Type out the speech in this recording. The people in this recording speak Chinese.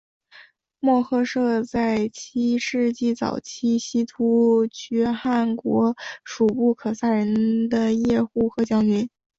莫贺设是在七世纪早期西突厥汗国属部可萨人的叶护和将军。